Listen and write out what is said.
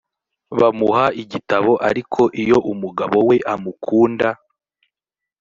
bamuha igitabo ariko iyo umugabo we amukunda